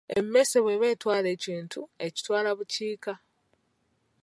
Emmese bw’eba etwala ekintu, ekitwala bukiika.